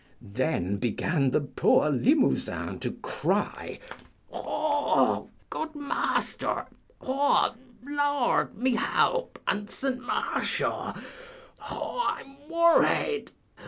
Then began the poor Limousin to cry, Haw, gwid maaster! haw, Laord, my halp, and St. Marshaw! haw, I'm worried.